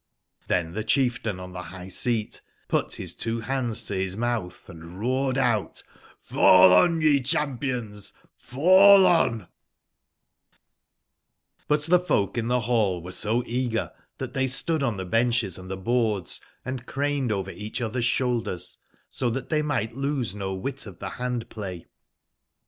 tlhcn the chieftain on the high/scat put his two hands to his mouth and roared out: ''fall on, ye champions, fall onf' UTl the folk in the hall were so eager that they stood on the benches and the boards, and craned over each other's shoulders, so that they might losenowhitof the hand/play.